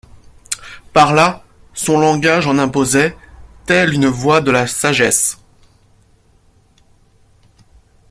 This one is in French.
Par là son langage en imposait, telle une voix de la sagesse.